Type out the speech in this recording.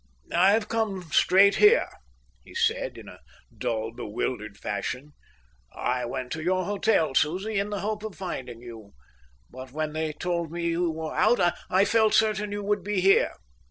"I've come straight here," he said, in a dull, bewildered fashion. "I went to your hotel, Susie, in the hope of finding you; but when they told me you were out, I felt certain you would be here."